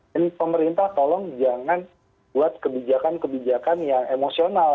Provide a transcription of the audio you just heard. dan pemerintah tolong jangan buat kebijakan kebijakan yang emosional